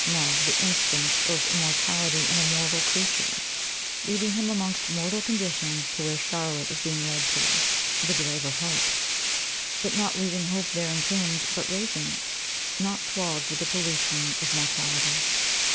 Love, the 'instinct of immortality in a mortal creature,' leading him amongst mortal conditions to where Charlotte is being led to, the grave of hope, _but not leaving hope there entombed, but raising it, not clogged with the pollution of mortality.